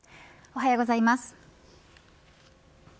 おはようございます。